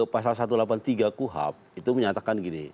pasal satu ratus delapan puluh tiga kuhap itu menyatakan gini